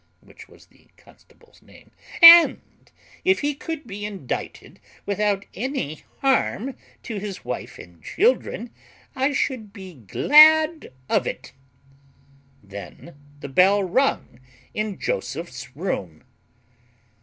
(which was the constable's name); "and if he could be indicted without any harm to his wife and children, I should be glad of it." (Then the bell rung in Joseph's room.)